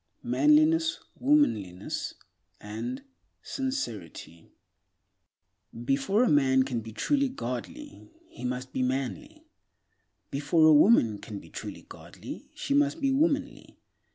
Manliness, Womanliness and Sincerity BEFORE A MAN CAN BE TRULY GODLY, he must be manly; before a woman can be truly godly, she must be womanly.